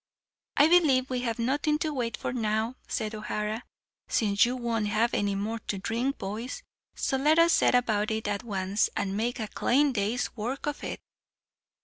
"I believe we have nothing to wait for now," said O'Hara, "since you won't have any more to drink, boys; so let us set about it at once, and make a clane day's work of it."